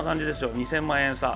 ２０００万円差。